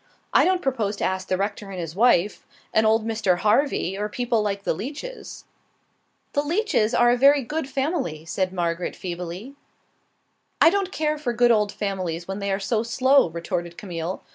I don't propose to ask the rector and his wife, and old Mr. Harvey, or people like the Leaches." "The Leaches are a very good old family," said Margaret, feebly. "I don't care for good old families when they are so slow," retorted Camille.